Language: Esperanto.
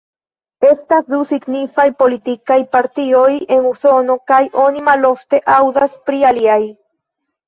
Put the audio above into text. Estas du signifaj politikaj partioj en Usono kaj oni malofte aŭdas pri aliaj.